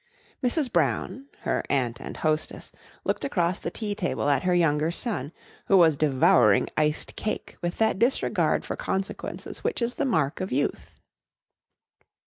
Mrs. Brown, her aunt and hostess, looked across the tea table at her younger son, who was devouring iced cake with that disregard for consequences which is the mark of youth.